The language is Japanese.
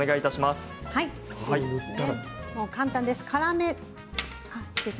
簡単です。